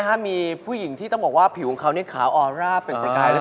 วันนี้มีผู้หญิงที่ต้องบอกว่าผิวของเขานี่ขาวออร่าเป็นสกายแล้วเติ้ล